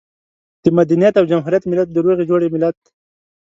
د مدنيت او جمهوريت ملت، د روغې جوړې ملت.